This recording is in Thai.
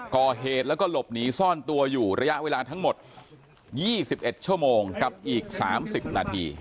ก่อเหตุแล้วก็หลบหนีซ่อนตัวอยู่ระยะเวลาทั้งหมด๒๑ชั่วโมงกับอีก๓๐นาที